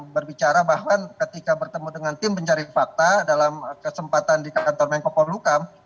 berbicara bahwa ketika bertemu dengan tim pencari fakta dalam kesempatan di kantor mengkokor lukam